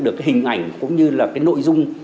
được cái hình ảnh cũng như là cái nội dung